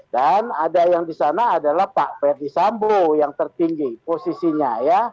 dan ada yang di sana adalah pak ferdisambo yang tertinggi posisinya